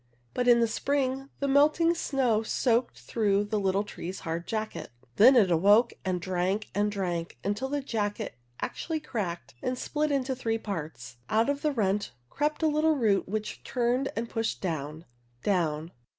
But in the spring, the melting snow soaked through the little tree's hard jacket. Then it awoke, and drank and drank, until the jacket actually cracked and split into three parts. Out through the rent crept a little root which turned and pushed down, down.